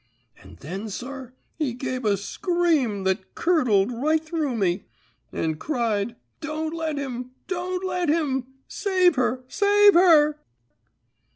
"And then, sir, he give a scream that curdled right through me, and cried, 'Don't let him don't let him! Save her save her!'